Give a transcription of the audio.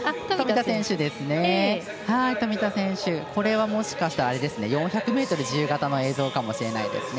富田選手、これは４００ｍ自由形の映像かもしれないですね。